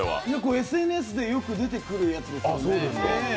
ＳＮＳでよく出てくるやつですよね。